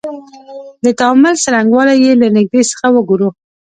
د تعامل څرنګوالی یې له نیږدې څخه وګورو.